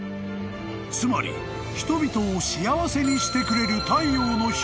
［つまり人々を幸せにしてくれる］